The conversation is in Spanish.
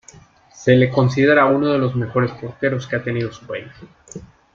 Se le considera uno de los mejores porteros que ha tenido su país.